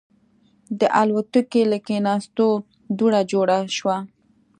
د الوتکې له کېناستو دوړه جوړه شوه.